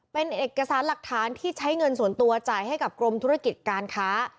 เป็นเอกสารหลักฐานที่ใช้เงินส่วนตัวจ่ายให้กับกรมธุรกิจการค้า